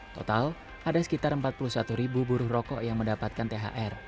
total ada sekitar empat puluh satu ribu buruh rokok yang mendapatkan thr